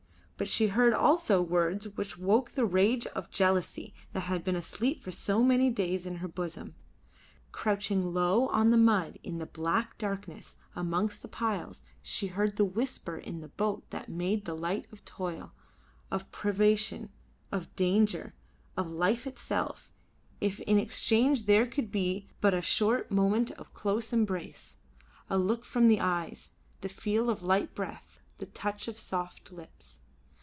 But she heard also words which woke the rage of jealousy that had been asleep for so many days in her bosom. Crouching low on the mud in the black darkness amongst the piles, she heard the whisper in the boat that made light of toil, of privation, of danger, of life itself, if in exchange there could be but a short moment of close embrace, a look from the eyes, the feel of light breath, the touch of soft lips.